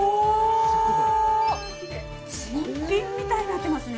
新品みたいになってますね。